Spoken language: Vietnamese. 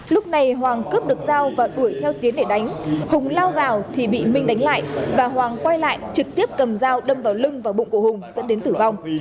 lúc này hoàng cướp được giao và đuổi theo tiến để đánh hùng lao vào thì bị minh đánh lại và hoàng quay lại trực tiếp cầm dao đâm vào lưng và bụng của hùng dẫn đến tử vong